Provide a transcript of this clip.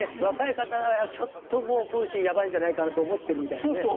若い方はちょっともうプーチンやばいんじゃないかなと思ってるみたいですね。